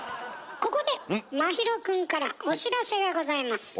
ここで真宙くんからお知らせがございます。